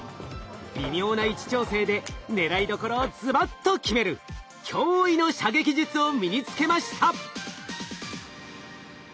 微妙な位置調整で狙いどころをズバッと決める驚異の射撃術を身につけました。